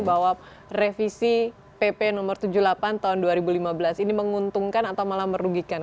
bahwa revisi pp no tujuh puluh delapan tahun dua ribu lima belas ini menguntungkan atau malah merugikan